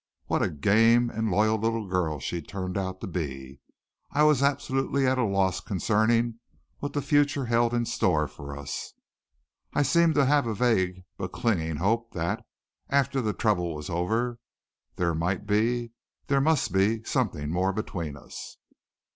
What a game and loyal little girl she had turned out to be! I was absolutely at a loss concerning what the future held in store for us. I seemed to have a vague but clinging hope that, after the trouble was over, there might be there must be something more between us.